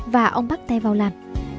và ông bắt tay vào làm